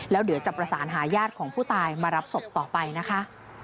แล้วเดี๋ยวจะประสานหาญาติของผู้ตายมารับศพต่อไปนะคะ